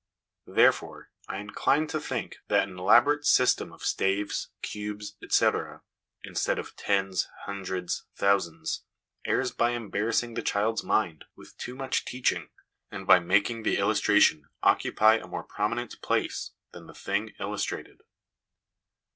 Therefore I incline to think that an elaborate system of staves, cubes, etc., instead of tens, hundreds, thousands, errs by embarrassing the child's mind with too much teaching, and by making the illustration occupy a more prominent place than the thing illustrated.